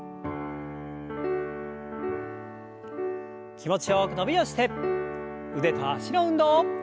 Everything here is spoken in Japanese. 気持ちよく伸びをして腕と脚の運動。